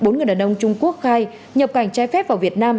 bốn người đàn ông trung quốc khai nhập cảnh trái phép vào việt nam